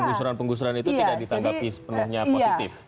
penggusuran penggusuran itu tidak ditanggapi sepenuhnya positif